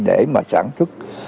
để mà sản xuất